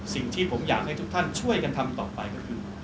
สิ่งที่ผมอยากให้ทุกท่านช่วยกันทำต่อไปก็คือ